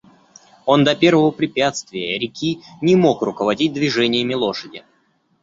Он до первого препятствия, реки, не мог руководить движениями лошади.